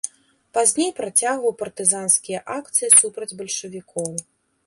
Пазней працягваў партызанскія акцыі супраць бальшавікоў.